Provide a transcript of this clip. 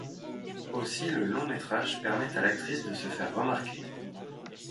Aussi le long métrage permet à l'actrice de se faire remarquer.